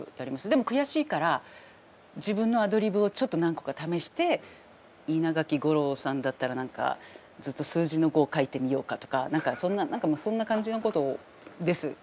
でも悔しいから自分のアドリブをちょっと何個か試して稲垣吾郎さんだったら何かずっと数字の５を書いてみようかとか何かそんな感じのことです。